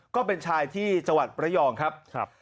ก็เป็นชายที่จังหวัดระยองครับ